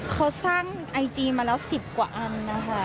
เขาสร้างไอจีมาแล้ว๑๐กว่าอันนะคะ